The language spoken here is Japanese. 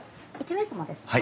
１名様ですか？